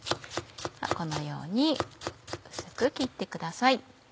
このように薄く切ってください。